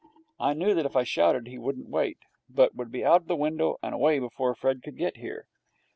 I knew that if I shouted he wouldn't wait, but would be out of the window and away before Fred could get there.